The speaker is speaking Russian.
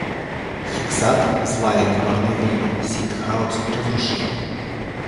Хексат, злая и коварная ведьма, сеет хаос и разрушение.